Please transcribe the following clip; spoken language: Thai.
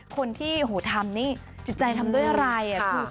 คนที่ทำนี่จิตใจทำด้วยอะไร